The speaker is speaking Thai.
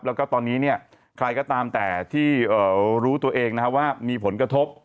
แล้วก็ตอนนี้ใครก็ตามแต่ที่รู้ตัวเองว่ามีผลกระทบ